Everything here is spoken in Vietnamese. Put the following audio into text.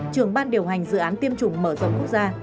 trưởng ban điều hành dự án tiêm chủng mở rộng quốc gia